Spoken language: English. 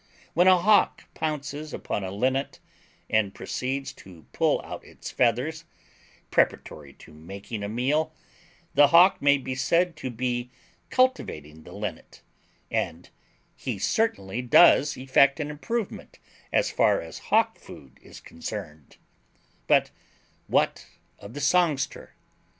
When a hawk pounces upon a linnet and proceeds to pull out its feathers, preparatory to making a meal, the hawk may be said to be cultivating the linnet, and he certainly does effect an improvement as far as hawk food is concerned; but what of the songster?